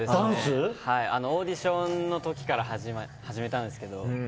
オーディションの時から始めたんですけど。